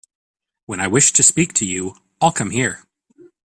When I wish to speak to you I’ll come here.